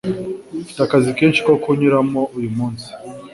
Mfite akazi kenshi ko kunyuramo uyu munsi